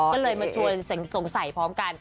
ก็เลยมาชวนสงสัยพร้อมกัน